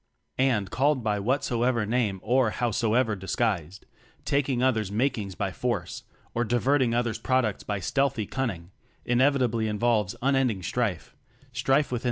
And, called by whatsoever name or how soever disguised, taking others' mak ings by force, or diverting others' products by stealthy cunning, inevit ably involves unending strife; strife within